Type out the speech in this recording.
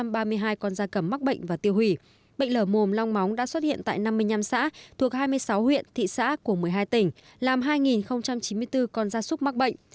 bệnh lở mồm long móng đã xuất hiện tại năm mươi năm xã thuộc hai mươi sáu huyện thị xã của một mươi hai tỉnh làm hai chín mươi bốn con gia súc mắc bệnh